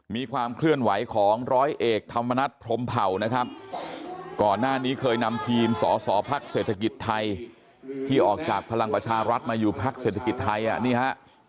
มีความเคลื่อนไหวของร้อยเอกธรรมนัฐพรมเผ่านะครับก่อนหน้านี้เคยนำทีมสสพักเศรษฐกิจไทยที่ออกจากพลังประชารัฐมาอยู่พักเศรษฐกิจไทยนี่ฮะ